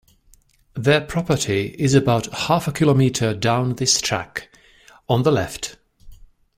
Their property is about half a kilometre down this track, on the left.